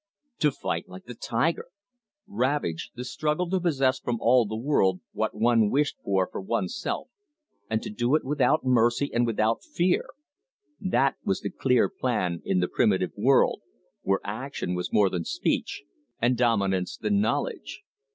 "To fight like the tiger!" Ravage the struggle to possess from all the world what one wished for one's self, and to do it without mercy and without fear that was the clear plan in the primitive world, where action was more than speech and dominance than knowledge.